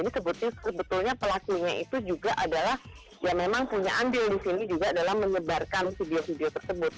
jadi sebetulnya pelakunya itu juga adalah ya memang punya ambil di sini juga adalah menyebarkan video video tersebut